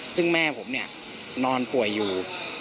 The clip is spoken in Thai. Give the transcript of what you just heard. ซึ่งแม่ผมนอนป่วยอยู่